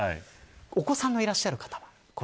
お子さんがいらっしゃる方。